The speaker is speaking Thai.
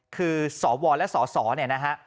คือสวและสสเนี่ยนะฮะ